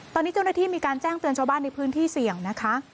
ตอนนี้เจ้าหน้าที่มีการแจ้งเตือนชาวบ้านในพื้นที่เสี่ยงนะคะ